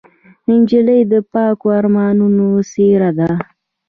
نجلۍ د پاکو ارمانونو څېره ده.